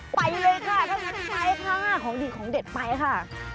ไปเลยค่ะถ้างั้นไปค่ะของดีของเด็ดไปค่ะ